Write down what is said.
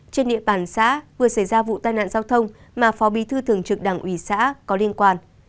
trên địa bàn xã vừa xảy ra vụ tai nạn giao thông mà phó bí thư thường trực đảng ủy xã có liên quan